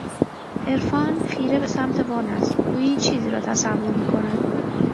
عرفان خیره به سمت وان است گویی چیزی را تصور میکند